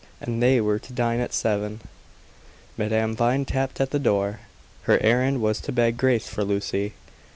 And they were to dine at seven. Madame Vine tapped at the door. Her errand was to beg grace for Lucy.